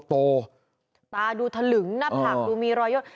ตาดูทะลึงหน้าผากดูมีรอยยด